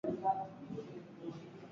Teoria eta praktika jorratu ditu.